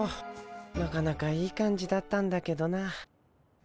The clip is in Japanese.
なかなかいい感じだったんだけどな。